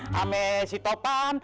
sama si topan